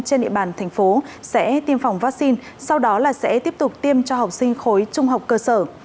trên địa bàn thành phố sẽ tiêm phòng vaccine sau đó là sẽ tiếp tục tiêm cho học sinh khối trung học cơ sở